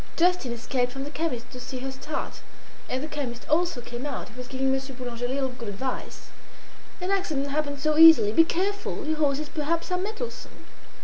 Justin escaped from the chemist's to see her start, and the chemist also came out. He was giving Monsieur Boulanger a little good advice. "An accident happens so easily. Be careful! Your horses perhaps are mettlesome."